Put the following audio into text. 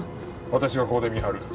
私がここで見張る。